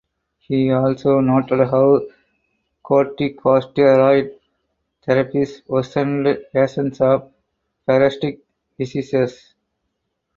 He also noted how corticosteroid therapies worsened patients of parasitic diseases.